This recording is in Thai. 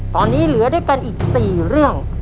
ตอนนี้เหลือด้วยกันอีก๔เรื่อง